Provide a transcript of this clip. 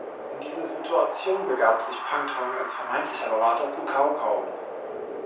In dieser Situation begab sich Pang Tong als vermeintlicher Berater zu Cao Cao.